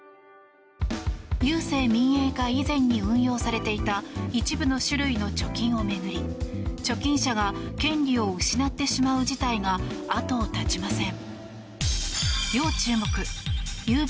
郵政民営化以前に運用されていた一部の種類の貯金を巡り貯金者が権利を失ってしまう事態が後を絶ちません。